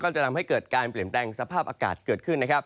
จะทำให้เกิดการเปลี่ยนแปลงสภาพอากาศเกิดขึ้นนะครับ